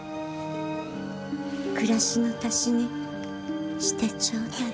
暮らしの足しにしてちょうだい。